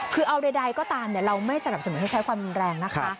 คือเอาใดก็ตามเราไม่สนับสนุนให้ใช้ความรุนแรงนะคะ